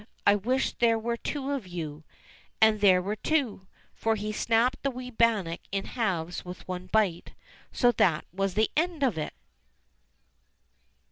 I wish there were two of you !" And there were two ! For he snapped the wee bannock into halves with one bite. So that was an end of it!